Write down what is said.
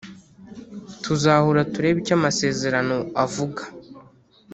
Tuzahura turebe icyo amasezerano avuga